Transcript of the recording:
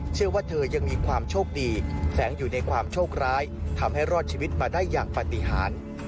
เธอยังมีความโชคดีแสงอยู่ในความโชคร้ายทำให้รอดชีวิตมาได้อย่างปฏิหาร